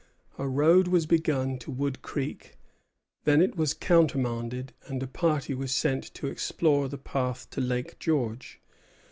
A road was begun to Wood Creek; then it was countermanded, and a party was sent to explore the path to Lake George.